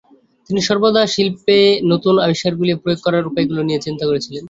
তিনি সর্বদা শিল্পে নতুন আবিষ্কারগুলি প্রয়োগ করার উপায়গুলি নিয়ে চিন্তা করেছিলেন।